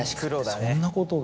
そんなことが。